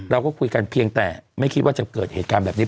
เราก็คุยกันเพียงแต่ไม่คิดว่าจะเกิดเหตุการณ์แบบนี้